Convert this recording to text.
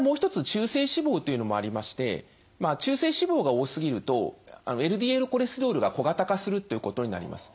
中性脂肪というのもありまして中性脂肪が多すぎるとＬＤＬコレステロールが小型化するということになります。